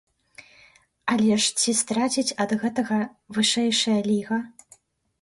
Але ж ці страціць ад гэтага вышэйшая ліга?